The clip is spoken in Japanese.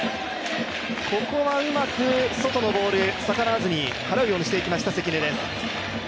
ここはうまく外のボール、逆らわずに払うようにしていきました関根です。